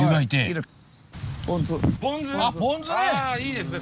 あいいですね